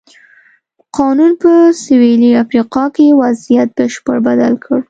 قانون په سوېلي افریقا کې وضعیت بشپړه بدل کړ.